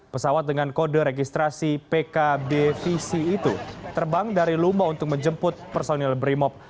pesawat dengan kode registrasi pkbvc itu terbang dari lumba untuk menjemput personil brimob